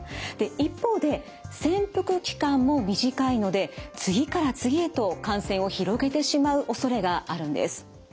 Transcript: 一方で潜伏期間も短いので次から次へと感染を広げてしまうおそれがあるんです。